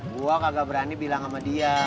gue kagak berani bilang sama dia